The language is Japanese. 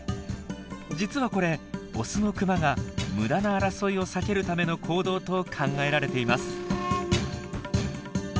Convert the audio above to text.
実はこれオスのクマが無駄な争いを避けるための行動と考えられています。